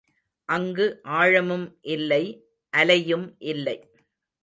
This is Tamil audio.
அங்கு ஆழமும் இல்லை அலையும் இல்லை.